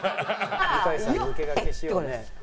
向井さんに抜け駆けしようねえ。